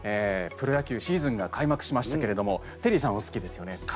プロ野球シーズンが開幕しましたけれどもテリーさん、お好きですよね？